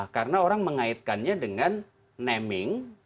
karena orang mengaitkannya dengan naming